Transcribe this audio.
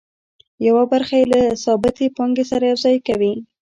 یوه برخه یې له ثابتې پانګې سره یوځای کوي